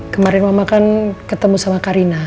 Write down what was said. kemarin mama kan ketemu sama karina